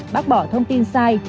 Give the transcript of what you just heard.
bác bỏ thông tin sai